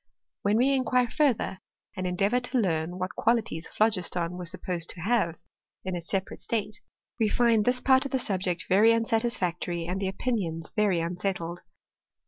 When we inquire further, and endeavour to learn, what qualities phlogiston was supposed to have in its separate state, we find this part of the subject very unsatisfactory, and the opinions very unsettled.